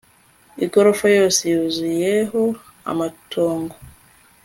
igorofa yose yuzuyeho amatongo